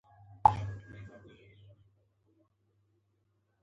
د اتومونو، مالیکولونو او تر منځ یې تعاملاتو ته کېمیا وایي.